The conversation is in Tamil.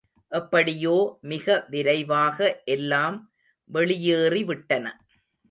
எப்படியோ மிக விரைவாக எல்லாம் வெளியேறிவிட்டன.